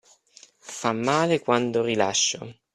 Fa male quando rilascio